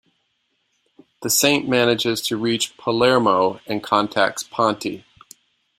The Saint manages to reach Palermo and contacts Ponti.